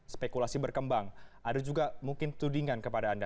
spekulasi berkembang ada juga mungkin tudingan kepada anda